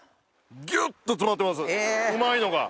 ギュッと詰まってますうまいのが。